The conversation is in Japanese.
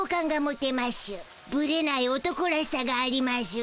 ぶれない男らしさがありましゅ。